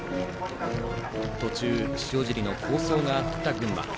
途中、塩尻の好走があった群馬。